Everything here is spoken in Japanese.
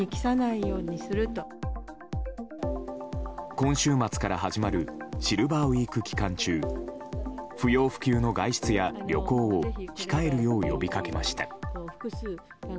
今週末から始まるシルバーウィーク期間中不要不急の外出や旅行を控えるよう呼びかけました。